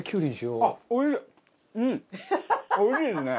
おいしいですね。